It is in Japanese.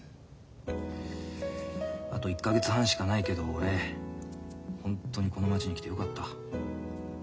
あと１か月半しかないけど俺ホンットにこの町に来てよかった。